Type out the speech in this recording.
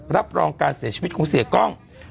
รับรองการเสียชีวิตของเสียกล้อง